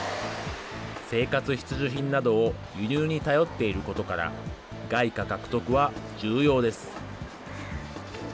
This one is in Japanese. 生活必需品などを輸入に頼っていることから、外貨獲得は重要です。